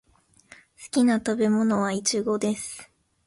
私の好きな食べ物はイチゴです。